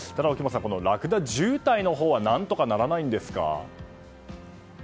ラクダ渋滞のほうは何とかならないんですか。